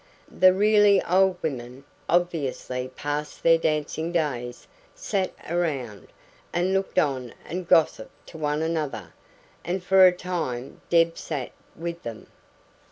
The really old women, obviously past their dancing days, sat around, and looked on and gossiped to one another. And for a time Deb sat with them.